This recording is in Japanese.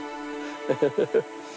フフフフ。